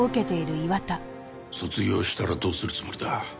卒業したらどうするつもりだ？